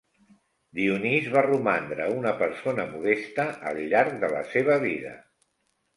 Dionís va romandre una persona modesta al llarg de la seva vida.